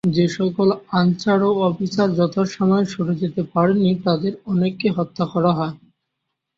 যেসকল আনসার ও অফিসার যথাসময়ে সরে যেতে পারেন নি তাদের অনেককে হত্যা করা হয়।